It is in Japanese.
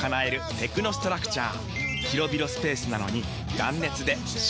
テクノストラクチャー！